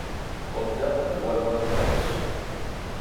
Compta amb dues modalitats: